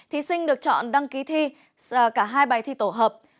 thí sinh được chọn đăng ký thi cả hai bài thi tổ hợp